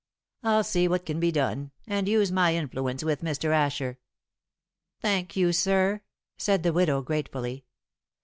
"I'll see what can be done, and use my influence with Mr. Asher." "Thank you, sir," said the widow gratefully.